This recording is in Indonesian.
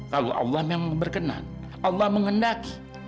kalau allah memang berkenan allah mengendaki